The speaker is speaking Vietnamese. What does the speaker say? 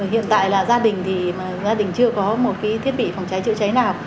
hiện tại là gia đình thì chưa có một thiết bị phòng cháy chữa cháy nào